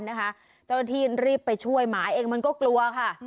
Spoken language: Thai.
เจ้าหน้าที่รีบไปช่วยหมาเองมันก็กลัวค่ะ